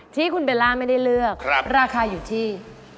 ที่คุณเบลล่าไม่ได้เลือกราคาอยู่ที่